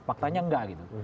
faktanya enggak gitu